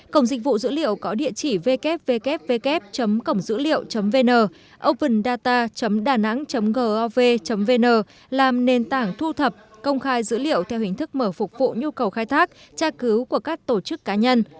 cổng dịch vụ dữ liệu có địa chỉ ww cổngdữliệu vn opendata danang gov vn làm nền tảng thu thập công khai dữ liệu theo hình thức mở phục vụ nhu cầu khai thác tra cứu của các tổ chức cá nhân